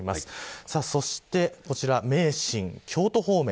そしてこちら、名神、京都方面。